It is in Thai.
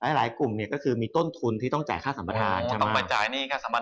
หลายกลุ่มเนี่ยก็คือมีต้นทุนที่ต้องจ่ายค่าสัมประทาน